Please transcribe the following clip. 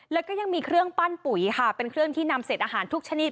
แล้วก็ยังมีเครื่องปั้นปุ๋ยค่ะเป็นเครื่องที่นำเศษอาหารทุกชนิด